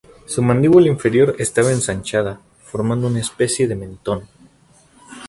Su mandíbula inferior estaba ensanchada, formando una especie de mentón.